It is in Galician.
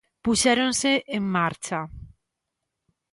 Puxéronse en marcha.